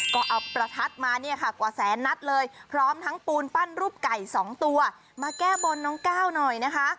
ก็เอาประทัดมาเนี่ยค่ะกว่าแสนนัดเลยพร้อมทั้งปูนปั้นรูปไก่๒ตัวมาแก้บนน้องก้าวหน่อยนะคะ